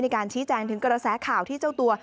มีการชี้แจงถึงกระแสข่าวที่เจ้าตัว